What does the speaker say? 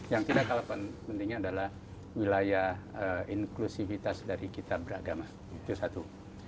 yang tidak kalah pentingnya adalah wilayah inklusivitas dari kita beragama itu satu